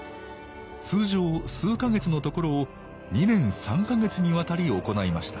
通常数か月のところを２年３か月にわたり行いました